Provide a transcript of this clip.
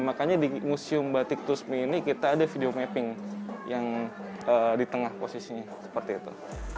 makanya di museum batik tusmi ini kita ada video mapping yang di tengah posisinya seperti itu